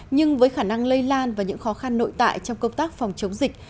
nhưng với khả năng lây lan và những khó khăn nội tại trong công tác phòng chống dịch